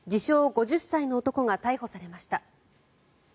５０歳の男が逮捕されました。